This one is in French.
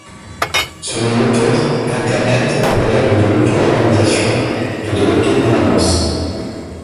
Selon l’auteur, Internet relève de l’auto-organisation et de l’auto-gouvernance.